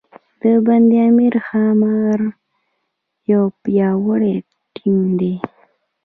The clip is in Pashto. د بند امیر ښاماران یو پیاوړی ټیم دی.